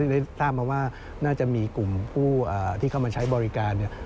ได้ทราบมาว่าน่าจะมีกลุ่มผู้ที่เข้ามาใช้บริการเนี่ย